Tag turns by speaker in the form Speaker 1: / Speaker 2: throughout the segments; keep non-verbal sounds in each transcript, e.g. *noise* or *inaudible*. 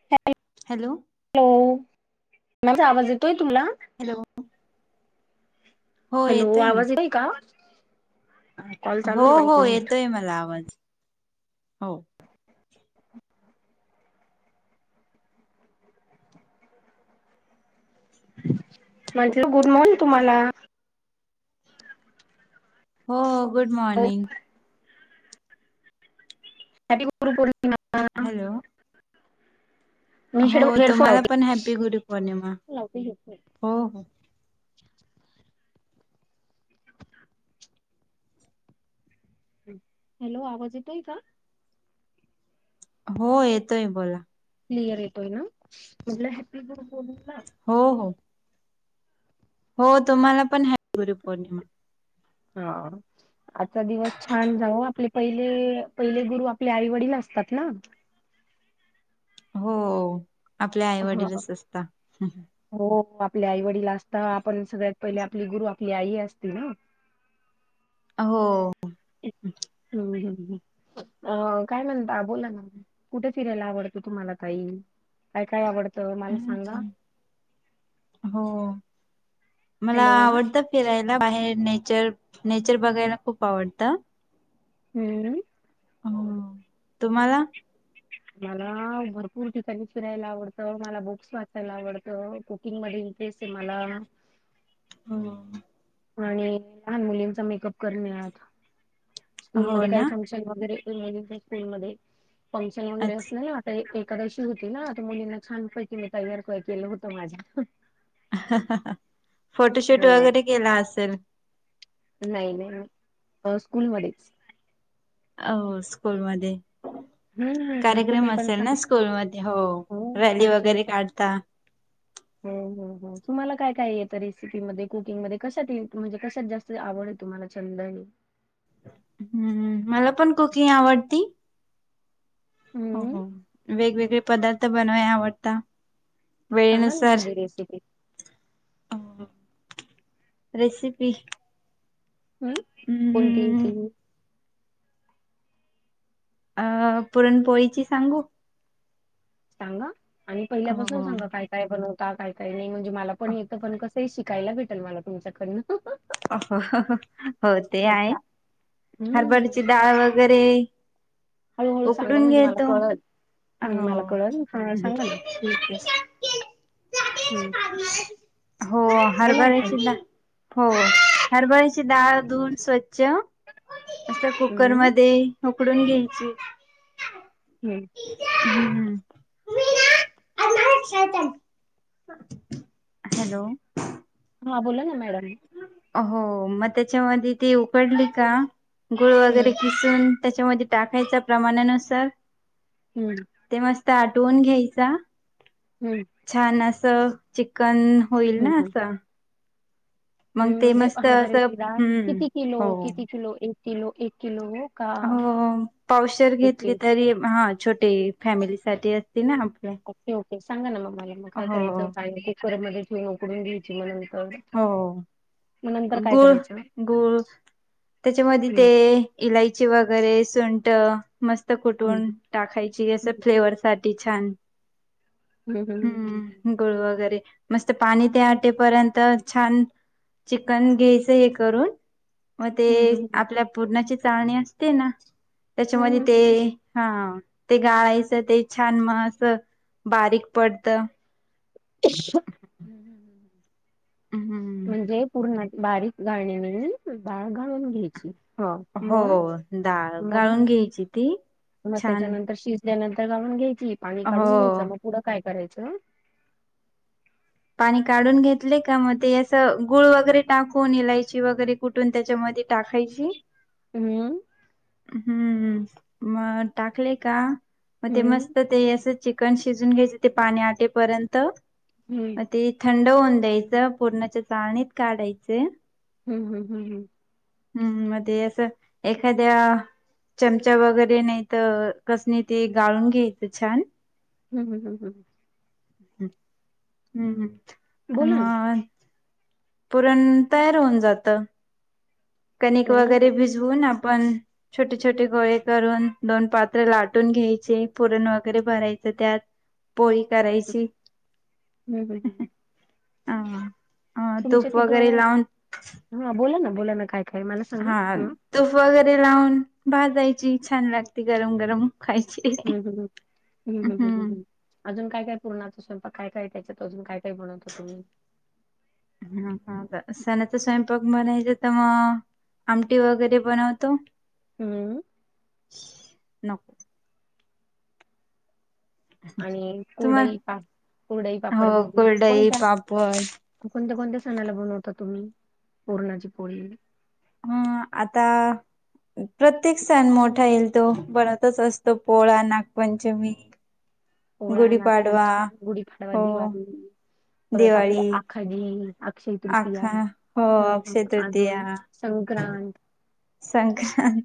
Speaker 1: *unintelligible*
Speaker 2: Hello!
Speaker 1: Hello! माझा आवाज येतोय तुला?
Speaker 2: हॅलो! हो
Speaker 1: हॅलो
Speaker 2: येतोय ना
Speaker 1: आवाज येतोय का? कॉल चालू
Speaker 2: हो
Speaker 1: आहे बा एक
Speaker 2: हो
Speaker 1: मिनिट.
Speaker 2: *unintelligible* आवाज हो.
Speaker 1: म्हटलं गुड मॉर्निंग तुम्हाला.
Speaker 2: हो गुड
Speaker 1: हॅपी
Speaker 2: मॉर्निंग.
Speaker 1: *unintelligible*
Speaker 2: हॅलो!
Speaker 1: मी
Speaker 2: हो
Speaker 1: हेड हेडफोन
Speaker 2: तुम्हाला
Speaker 1: लावते
Speaker 2: पण हॅप्पी गुरु पौर्णिमा
Speaker 1: लावते हेडफोन
Speaker 2: हो.
Speaker 1: हॅलो! आवाज येतय का?
Speaker 2: हो येतोय बोला.
Speaker 1: क्लिअर येतोय ना, म्हटलं हॅपी गुरुपौर्णिमा.
Speaker 2: हो हो. हो तुम्हाला पण ह गुरुपौर्णिमा.
Speaker 1: हा आजचा दिवस छान जाऊ आपली. पहिले पहिले गुरु आपल्या आईवडील असतात ना.
Speaker 2: हो आपल्या
Speaker 1: हा
Speaker 2: आईवडीलीलच असता.
Speaker 1: हो आपल्या आई वडील असता, आपण सगळ्यात पहिले गुरु आपली असती ना.
Speaker 2: हो.
Speaker 1: हम अ काय म्हणता बोला ना? कुठे फिरायला आवडतं तुम्हाला तई काय काय आवडतं मला सांगा?
Speaker 2: हम्म. हो मला
Speaker 1: हॅलो
Speaker 2: आवडत. फिरायला बाहेर नेचर नेचर बघायला खूप आवडतं.
Speaker 1: हम्म!
Speaker 2: हम्म तुम्हाला?
Speaker 1: मला भरपूर ठिकाणी फिरायला आवडतं, मला बुक्स वाचायला आवडतं. तीन पैसे मला
Speaker 2: हो.
Speaker 1: आणि लहान मुलींचा चा मेकअप करण्यात, स्कूल
Speaker 2: हो
Speaker 1: मध्ये काही
Speaker 2: ना
Speaker 1: फम *unintelligible* स्कुल मध्ये फंक्शन वगैरे
Speaker 2: अच्छा
Speaker 1: असलना एक एकादशी होती ना तर मुलींना छान पैकी मी तयार केलं होत माझ्या
Speaker 2: *unintelligible* फोटोशूट
Speaker 1: हो
Speaker 2: वगैरे केला असेल
Speaker 1: नाही नाही अ स्कुल मधेच
Speaker 2: आव स्कूल मध्ये
Speaker 1: हम्म
Speaker 2: कार्यक्रम
Speaker 1: तुम्ही पण
Speaker 2: असेल ना
Speaker 1: सांग
Speaker 2: स्कूलमध्ये हो रॅली वगैरे काढता
Speaker 1: *inaudible* हो हो हो तुम्हाला काय काय येत रेसिपी मध्ये कुकिंग मध्ये कशात म्हणजे कशात जास्त आवड आहे तुम्हाला छंदने
Speaker 2: हम्म मला पण कुकिंग आवडती हो
Speaker 1: हम्म
Speaker 2: हो वेगवेगळे पदार्थ बनवाय आवडता वेळ
Speaker 1: सांगा ना
Speaker 2: नुसार
Speaker 1: एखादी रेसिपी
Speaker 2: *unintelligible* रेसिपी
Speaker 1: हम् कोणती
Speaker 2: हम्म
Speaker 1: ती
Speaker 2: अ पुरणपोळीची सांगू
Speaker 1: सांगा आणि
Speaker 2: हो
Speaker 1: पहिल्यापासून
Speaker 2: हो
Speaker 1: सांगा काय काय बनवता काय काय नाही म्हणजे मला पण येतं पण कस *unintelligible* शिकायला भेटल मला तुमच्याकडे
Speaker 2: *inaudible* ते आहे
Speaker 1: अच्छा.
Speaker 2: हरभऱ्याची
Speaker 1: हम्म
Speaker 2: डाळ वगैरे
Speaker 1: हळूहळू सांगा
Speaker 2: उकडून
Speaker 1: म्हणजे मला
Speaker 2: घेतो
Speaker 1: कळल हम्म
Speaker 2: हो
Speaker 1: मला कळल हा सांगा ना
Speaker 2: *unintelligible*
Speaker 1: हम्म
Speaker 2: *unintelligible* हो
Speaker 1: बोला ना ताई
Speaker 2: हरभऱ्यांची डा हो हरभरीची डाळ धुऊन स्वच्छ अस
Speaker 1: हम्म
Speaker 2: कुकरमध्ये उकडून घ्यायची
Speaker 1: हम्म
Speaker 2: टिचर हम्म मी ना *unintelligible* शाळेत आण हॅलो
Speaker 1: हा बोला ना मॅडम
Speaker 2: हो मग त्याच्यामध्ये ती उकडली का गुळ
Speaker 1: हम्म
Speaker 2: वगैरे सुन त्याच्यामध्ये टाकायचा प्रमाणा नुसार
Speaker 1: हं
Speaker 2: ते मस्त आठवून घ्यायचा
Speaker 1: हं
Speaker 2: छान असं चिकन होईल ना असं
Speaker 1: हम
Speaker 2: मग ते
Speaker 1: म्हणजे
Speaker 2: मस्त असं
Speaker 1: हरभऱ्यांची डाळ
Speaker 2: हम्म
Speaker 1: किती किलो
Speaker 2: हो
Speaker 1: किती किलो एक किलो एक किलो ओ
Speaker 2: हो पावशेर घेतली तरी हा छोटे फॅमिलीसाठी असती ना
Speaker 1: ओके ओके सांगा ना मग मला मग काय
Speaker 2: हो
Speaker 1: करायचं डाळ कुकर मध्ये ठेऊन उकडून घ्यायची मग नंतर
Speaker 2: हो
Speaker 1: मग नंतर काय
Speaker 2: गुळ
Speaker 1: करायचं
Speaker 2: गुळ त्याच्यामध्ये
Speaker 1: हम्म
Speaker 2: तेय इलायची वगैरे सुंट मस्त कुटुन
Speaker 1: हम्म
Speaker 2: टाकायची असं फ्लेवरसाठी *unintelligible* छान हम्म हम्म गुळ वगैरे मस्त पाणी ते आटेपर्यंत तर छान चिकन घ्यायचं हे करून मग
Speaker 1: हम्म हम्म हम्म
Speaker 2: ते आपल्या पुरणाची चाळणी असते ना त्याच्या
Speaker 1: हम्म हम्म हम्म
Speaker 2: मध्ये
Speaker 1: हम्म
Speaker 2: ते ते गाळायचं ते छान म अस बारीक पडत
Speaker 1: *unintelligible*
Speaker 2: हम्म
Speaker 1: म्हणजे पूर्ण बारीक गाळणीने घेऊन डाळ गाळुन घ्यायची ह
Speaker 2: हो
Speaker 1: मग
Speaker 2: डाळ
Speaker 1: मग
Speaker 2: गाळून घ्यायची ती.
Speaker 1: मग
Speaker 2: छान
Speaker 1: त्याच्यानंतर शिजल्यानंतर गाळुन घ्यायची, पाणी काढून
Speaker 2: हो
Speaker 1: घ्यायचं. मग पुढं काय करायचं
Speaker 2: पाणी काढून घेतले का मग ते असं गुळ वगैरे टाकून, इलायची वगैरे कुठून त्याच्यामध्ये टाकायची.
Speaker 1: हम्म.
Speaker 2: हम्म, मग टाकले का मग ते
Speaker 1: हम्म
Speaker 2: मस्त तर ते असं चिकन शिजवून घ्यायचं ते पाणी आटेपर्यंत.
Speaker 1: हम्म.
Speaker 2: मग ते थंड होऊन द्यायचं पुरणाच्या चाळणीत काढायचं.
Speaker 1: हम्म हम्म हम्म हम्म.
Speaker 2: हम्म मग ते असं एखाद्या चमचा वगैरे नाहीतर रसने गाळून घ्यायचं छान.
Speaker 1: हम्म हम्म हम्म हम्म हम्म.
Speaker 2: हम्म आणि
Speaker 1: बोला ना
Speaker 2: मग पुरण तयार होऊन जातं. कणिक
Speaker 1: नाही
Speaker 2: वगैरे
Speaker 1: हम्म
Speaker 2: भिजवुन आपण छोटे छोटे गोळे करून, दोन पात्र लाटून घ्यायचे. पुरण वगैरे भरायच त्यात.
Speaker 1: *inaudible*
Speaker 2: पोळी करायची
Speaker 1: हम्म, हम्म.
Speaker 2: हा.
Speaker 1: तुमच्या तिथं, हि बोलाना बोलाना काय काय मला सांगा
Speaker 2: हा तुप वैगरे लावुन भाजायची, छान लागते गरम गरम खायची.
Speaker 1: हम्म हम्म हम्म हम्म हम्म. अजून काय काय पूरणाच स्वयंपाक काय काय त्याच्यात अजून काय काय बनवता तुम्ही?
Speaker 2: हा हा बर, सणांचा स्वयंपाक म्हणायचं तर मग आमटी वगैरे बनवतो.
Speaker 1: हम्म.
Speaker 2: नको.
Speaker 1: आणि कुरडई
Speaker 2: तुम्हाला
Speaker 1: पाप कुरडई पापड
Speaker 2: हो
Speaker 1: भजी
Speaker 2: कुरडई,
Speaker 1: कोणत्या
Speaker 2: पापड
Speaker 1: कोणत्या कोणत्या सणाला बनवता तुम्ही पुरणाची पोळी?
Speaker 2: हं आता प्रत्येक सण मोठा येईल तो बनतच असतो पोळा, नागपंचमी.
Speaker 1: पोळा,
Speaker 2: गुढीपाडवा
Speaker 1: नागपंचमी, गुढीपाडवा,
Speaker 2: हो
Speaker 1: दिवाळी परत आपलं
Speaker 2: दिवाळी
Speaker 1: आक *unintelligible* अक्षय तृतीया
Speaker 2: आखा हो
Speaker 1: हा हा
Speaker 2: अक्षय तृतीया
Speaker 1: अजून संक्रांत.
Speaker 2: संक्रांत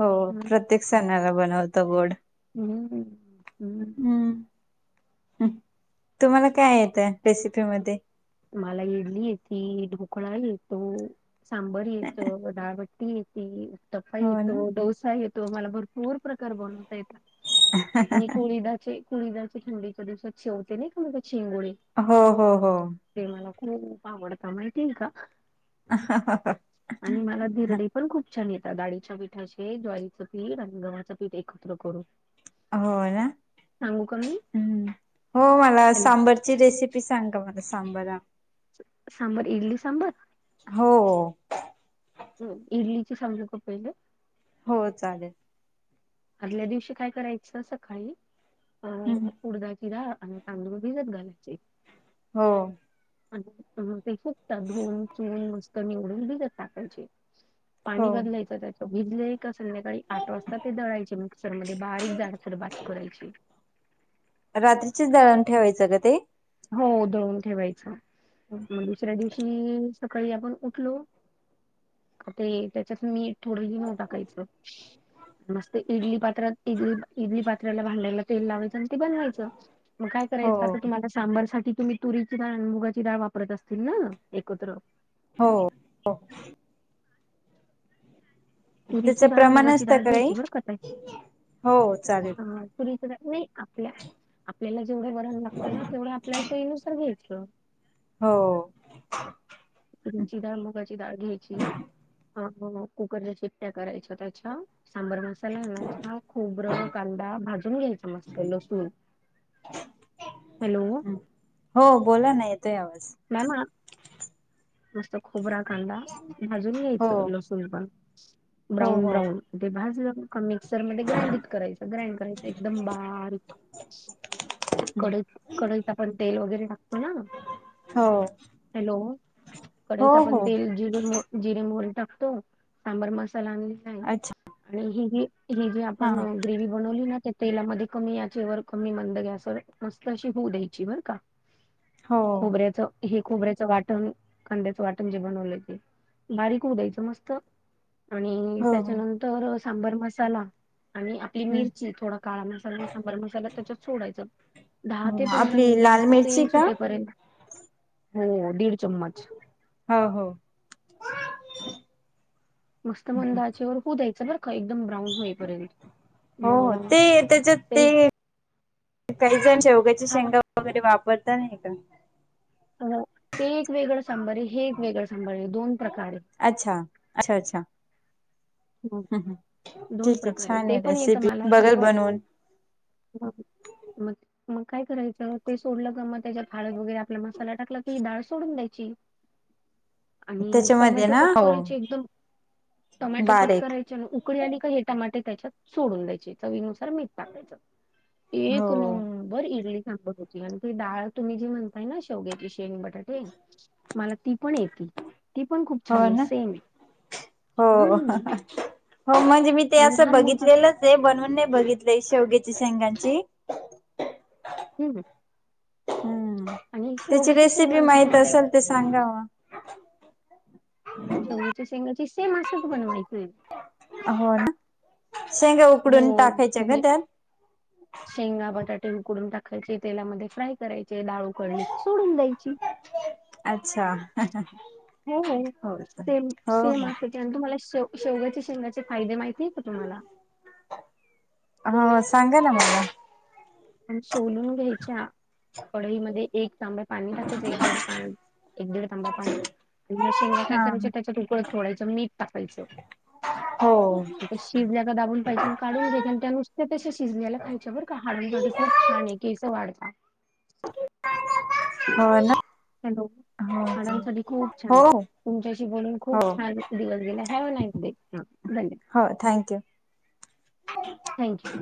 Speaker 2: हो
Speaker 1: हं.
Speaker 2: प्रत्येक सणाला बनवता गोड.
Speaker 1: हम्म हं‌.
Speaker 2: हम्म. तुम्हाला काय येतं रेसिपीमध्ये?
Speaker 1: मला इडली येती, ढोकळा येतो, सांबर येतं, ‌डाळबट्ट टी येती, उत्तप्पा
Speaker 2: हो ना
Speaker 1: येतो, डोसा येतो मला भरपूर प्रकार बनवता येतात. आणि कोळीदाचे कोळीदाचे थंडीच्या दिवसात शेवटी नाही का बघा शिंगोळे
Speaker 2: हो हो हो.
Speaker 1: ते मला खुप आवडत माहितीये का आणि मला धिरडे पण खूप छान येतात डाळीच्या पिठाचे. ज्वारीचं पीठ आणि गव्हाचं पीठ एकत्र करून.
Speaker 2: होय ना?
Speaker 1: सांगू का मी?
Speaker 2: हम्म हो मला सांबारची रेसेपी सांगा मला सांबाला
Speaker 1: सांबर इडली सांबर?
Speaker 2: हो.
Speaker 1: हो इडली चा सांगू का पहिलं?
Speaker 2: हो, चालेल.
Speaker 1: आदल्या दिवशी काय करायचं, सकाळी अ.
Speaker 2: हम्म
Speaker 1: उडदाची डाळ आणि तांदुळ भिजत घालायचे.
Speaker 2: हो.
Speaker 1: आणि मग ते फूगतात. धुवून, चोळून, मस्त निवडून भिजत टाकायचे. पाणी
Speaker 2: हो.
Speaker 1: बदलायचं त्याच. भिजले, का संध्याकाळी आठ वाजता ते दळायच. त्याची मिक्सर मध्ये बारीक जाडसर बात करायची
Speaker 2: रात्रीचीच दळण ठेवायचं का ते?
Speaker 1: हो, दळून ठेवायचं. मग दुसऱ्या दिवशी सकाळी आपण उठलो की, ते त्याच्यात मीठ, थोडं इनो टाकायचं. मस्त एक इडली पात्रात, इडली, इडली पात्राला, भांड्याला तेल लावायचं आणि ते बनवायचं. मग काय
Speaker 2: हो.
Speaker 1: करायचं? आता तुम्हाला, सांबरसाठी तुम्ही तुरीची डाळ आणि मुगाची डाळ वापरत असतील ना? एकत्र.
Speaker 2: हो. हो. त्याच
Speaker 1: तुरीची डाळ
Speaker 2: प्रमाण
Speaker 1: मुगाची
Speaker 2: असतं
Speaker 1: डाळ
Speaker 2: का नाही?
Speaker 1: घ्यायची बरं ताई.
Speaker 2: हो चालेल.
Speaker 1: *unintelligible* नाही आपल्या. आपल्याला जेवढं वरण लागत ना, तेवढ आपल्या सोयीनुसार घ्यायच.
Speaker 2: हो.
Speaker 1: तुराची डाळ, मुगाची डाळ, घ्यायची. *unintelligible* कुकरच्या शिट्ट्या करायच्या त्याच्या सांबर मा त्यांना हाय ना, हा खोबरं, कांदा, भाजून घ्यायचा मस्त. लसूण. हॅलो.
Speaker 2: हो बोला ना, येतोय आवाज.
Speaker 1: मॅम, आ नुस्त खोबरा, कांदा, भाजून
Speaker 2: हो
Speaker 1: घ्यायचं. लसुन पण
Speaker 2: हो
Speaker 1: ब्राऊन
Speaker 2: हो
Speaker 1: ब्राऊन. ते भाजलं का मिक्सरमध्ये ग्राइंड करायच. ग्राइंड करायचं, एकदम बारीक. कड कडईत आपण तेल वगैरे टाकतो ना?
Speaker 2: हो.
Speaker 1: हॅलो.
Speaker 2: हो
Speaker 1: कढईत आपण
Speaker 2: हो
Speaker 1: तेल जिरे, म जिरे मोहरी टाकतो. सांबर मसाला आणि नाही.
Speaker 2: अच्छा
Speaker 1: आणि हिं ही ही जी
Speaker 2: हा
Speaker 1: आपण
Speaker 2: हा.
Speaker 1: ग्रेव्ही बनवली ना, त्या तेलामध्ये कमी याचेवर, कमी मंद गॅसवर मस्त अशी होऊ द्यायची, बर का!
Speaker 2: हो
Speaker 1: खोबऱ्याच हे खोबऱ्याचं वाटण, कांद्याचं वाटण, जे बनवलं ते. बारीक होऊ द्यायचं. मस्त आणि
Speaker 2: हो हो
Speaker 1: त्याच्यानंतर सांबर मसाला आणि *unintelligible*
Speaker 2: हम्म.
Speaker 1: मिरची, थोडा काळा मसाला, सांबर मसाला, त्याच्यात सोडायचा. दहा
Speaker 2: हो
Speaker 1: ते पंधरा
Speaker 2: आपली
Speaker 1: मिनिट,
Speaker 2: लाल
Speaker 1: मस्त
Speaker 2: मिरची
Speaker 1: तेल
Speaker 2: का?
Speaker 1: सुटेपर्यंत, हो ओ दीड चम्मच.
Speaker 2: हो हो.
Speaker 1: मस्त मंद आचेवर होऊ द्यायचं बर. का एकदम ब्राउन होईपर्यंत.
Speaker 2: हो हो
Speaker 1: मग
Speaker 2: ते त्याच्यात
Speaker 1: ते
Speaker 2: काही जण शेवग्याची
Speaker 1: छान
Speaker 2: शेंगा, वगैरे वापरता नाही का?
Speaker 1: अ ते एक वेगळं सांबर आहे. हे एक वेगळं सांबार आहे दोन प्रकारे.
Speaker 2: अच्छा. अच्छा अच्छा.
Speaker 1: हं.
Speaker 2: ह्
Speaker 1: दोन
Speaker 2: ठीक आहे.
Speaker 1: प्रकार
Speaker 2: छान
Speaker 1: ते
Speaker 2: आहे
Speaker 1: पण
Speaker 2: रेसिपी. बघल बनवून.
Speaker 1: ह मग मग काय करायचं ते सोडलं का मग त्याच्या हळद वगैरे आपला मसाला टाकला की डाळ सोडून द्यायची. आणि
Speaker 2: त्याच्यामध्ये
Speaker 1: टोमॅटो
Speaker 2: ना
Speaker 1: कट करायची एकदम, टोमॅटो कट
Speaker 2: बारीक
Speaker 1: उकडी आली का हे टमाटे त्याच्यात सोडून द्यायचे, चवीनुसार मीठ टाकायचं
Speaker 2: हो
Speaker 1: एक नंब बर इडली सांबर आणि ती डाळ तुम्ही जी म्हणताय ना शेवग्याची शेंग, बटाटे मला ती पण येते.
Speaker 2: हो ना हो.
Speaker 1: हम्म
Speaker 2: हो म्हणजे मी ते
Speaker 1: आणि
Speaker 2: असं
Speaker 1: लहान मुलांना
Speaker 2: बघितलेलंच आहे, बनवून नाही बघितलंय शेवगाच्या शेंगांची.
Speaker 1: हम.
Speaker 2: हम, त्याची
Speaker 1: शेवग्याची
Speaker 2: रेसिपी
Speaker 1: शेंगांच
Speaker 2: माहित
Speaker 1: तुम्हाला एक
Speaker 2: असेल ते सांगा मग.
Speaker 1: शेवग्याच्या शेंगाची सेम अशीच बनवायची.
Speaker 2: हो ना शेंगा उकडून
Speaker 1: हो
Speaker 2: टाकायच्या का
Speaker 1: म्हणजे
Speaker 2: त्यात?
Speaker 1: शेंगा बटाटे उकडून टाकायचे तेलामध्ये फ्राय करायचे डाळू उकळली सोडून द्यायची.
Speaker 2: अच्छा हो हो.
Speaker 1: ते मग त्याचे आणि तुम्हाला शे- शेगाच्या शेंगाचे फायदे माहिती आहे का तुम्हाला?
Speaker 2: हो सांगा ना मला.
Speaker 1: आणि सोलून घ्यायच्या कढईमध्ये एक तांब्या पाणी टाकायच एक दीड पा -एक दीड तांबा पाणी. *unintelligible* शेंगा काय
Speaker 2: हा
Speaker 1: करायच्या त्याच्यात *unintelligible* उकळत मीठ टाकायचं.
Speaker 2: हो.
Speaker 1: ते शिजल्याका दाबून पाहायच्या काढून घ्यायचे, आणि त्या नुसत शिजल्याला खायच्या बर का हाडां साठी खूप छान आहे केस वाढत.
Speaker 2: हा ना.
Speaker 1: हॅलो! हाडांसाठी खूप छान आहे.
Speaker 2: हो हो
Speaker 1: तुमच्याशी बोलून खूप
Speaker 2: हो
Speaker 1: छान दिवस गेला, हॅव नाईस डे धन्यवाद.
Speaker 2: हो थँक्यू!
Speaker 1: थँक्यू!